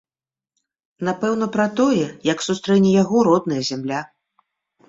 Напэўна, пра тое, як сустрэне яго родная зямля.